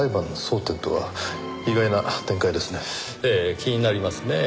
気になりますねぇ。